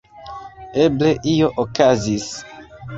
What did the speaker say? Eble, io okazis.